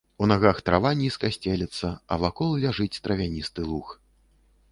У нагах трава нізка сцелецца, а вакол ляжыць травяністы луг.